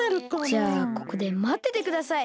じゃあここでまっててください。